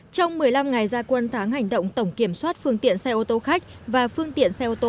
trong một mươi năm ngày gia quân tháng hành động tổng kiểm soát phương tiện xe ô tô khách và phương tiện xe ô tô